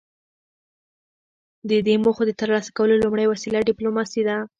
د دې موخو د ترلاسه کولو لومړۍ وسیله ډیپلوماسي ده